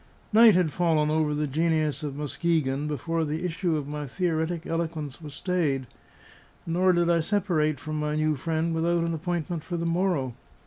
Night had fallen over the Genius of Muskegon before the issue of my theoretic eloquence was stayed, nor did I separate from my new friend without an appointment for the morrow.